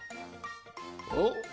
おっ？